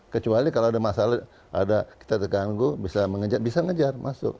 kecuali kalau ada masalah ada kita terganggu bisa mengejar bisa ngejar masuk